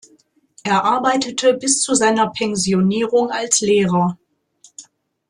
Er arbeitete bis zu seiner Pensionierung als Lehrer.